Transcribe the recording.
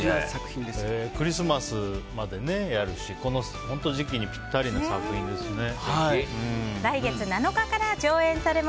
クリスマスまでやるしこの時期にピッタリな作品ですね。